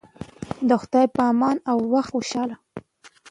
د خدای په امان او وخت مو خوشحاله